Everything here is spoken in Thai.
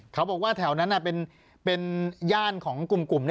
เค้าบอกว่าแถวนั้นเป็นย่านของกลุ่ม